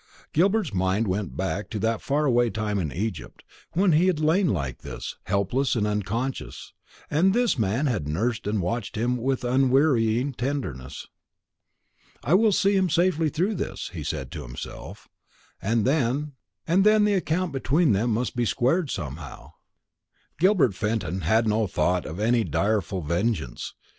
Gilbert's mind went back to that far away time in Egypt, when he had lain like this, helpless and unconscious, and this man had nursed and watched him with unwearying tenderness. "I will see him safely through this," he said to himself, "and then " And then the account between them must be squared somehow. Gilbert Fenton had no thought of any direful vengeance.